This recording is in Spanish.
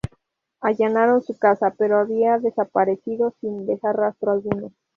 Allanaron su casa pero había desaparecido sin dejar rastro alguno.